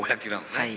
はい。